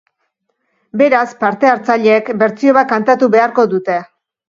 Beraz, parte-hartzaileek bertsio bat kantatu beharko dute.